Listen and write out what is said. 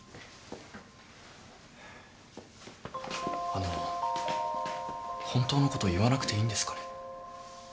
あの本当のこと言わなくていいんですかね？